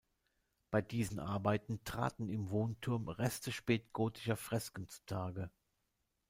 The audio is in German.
Bei diesen Arbeiten traten im Wohnturm Reste spätgotischer Fresken zutage.